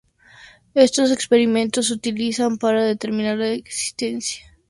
Estos experimentos se utilizan para determinar la existencia de interacción entre dos proteínas.